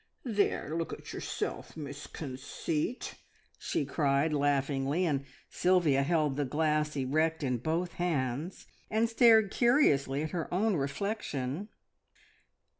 "There, look at yourself, Miss Conceit!" she cried laughingly, and Sylvia held the glass erect in both hands and stared curiously at her own reflection.